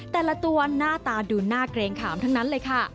แต่ละตัวหน้าตาดูหน้าเกรงขามทั้งนั้นเลยค่ะ